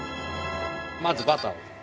まずバターを。